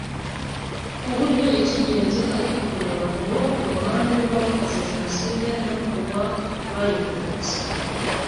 ku buryo icy’ingenzi ari ukureba ngo ku ruhande rw’abakoze Jenoside no kurw’abayirokotse